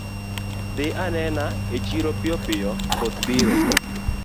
Dhi anena e chiro piyo piyo koth biro